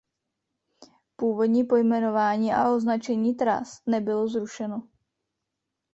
Původní pojmenování a označení tras nebylo zrušeno.